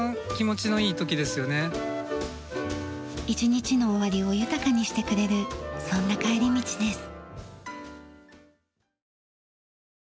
１日の終わりを豊かにしてくれるそんな帰り道です。